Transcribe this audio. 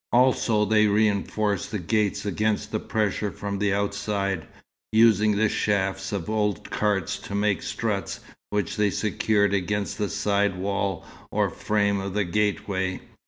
Also they reinforced the gates against pressure from the outside, using the shafts of an old cart to make struts, which they secured against the side walls or frame of the gateway.